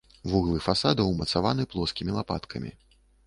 Вуглы фасада ўмацаваны плоскімі лапаткамі.